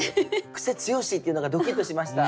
「クセ強し」っていうのがドキッとしました